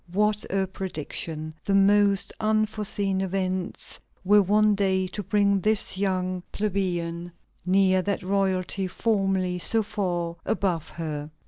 What a prediction! The most unforeseen events were one day to bring this young plebeian near that royalty formerly so far above her.